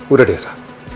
udah deh sa